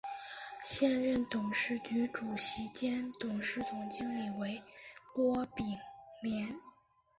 现任董事局主席兼董事总经理为郭炳联。